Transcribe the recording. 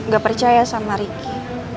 gak percaya sama ricky